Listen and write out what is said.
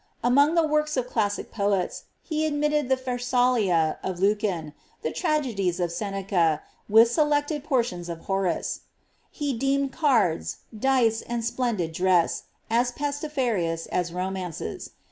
Among the works of classic poeti he admitted the ^' Pharsalia'^ of Lucan, the tragedies of Seneca, with tektUi portions of Horace. He deemed cards, dice, and splendid dress, m pestiferous as romances.